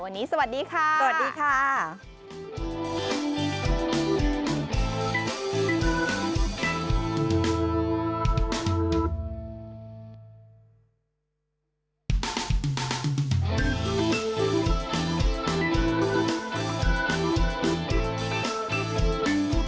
วันนี้สวัสดีค่ะสวัสดีค่ะสวัสดีค่ะ